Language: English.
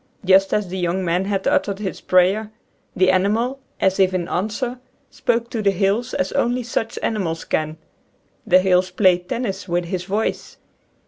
Just as the young man had uttered his prayer the animal — as if in answer — spoke to the hills as only such animals can. The hills played tennis with his voice.